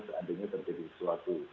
seandainya terjadi sesuatu